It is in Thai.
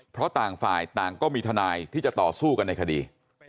เพราะต่างฝ่ายต่างก็มีทนายที่จะต่อสู้กันในคดี